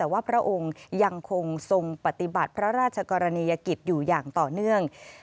แต่ว่าพระองค์ยังคงทรงปฏิบัติพระราชกรณียกิจอยู่อย่างต่อเนื่อง